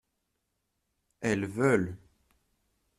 Elles veulent.